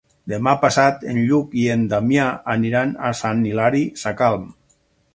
Demà passat en Lluc i en Damià aniran a Sant Hilari Sacalm.